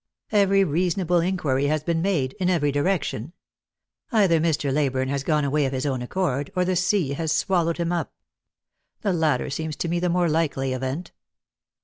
Every reasonable inquiry has been made, in every direction. Either Mr. Leyburne has gone away of his own accord, or the sea has swallowed him up. The latter seems to me the more likely event."